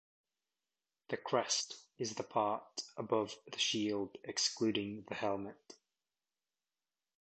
The crest is the part above the shield, excluding the helmet.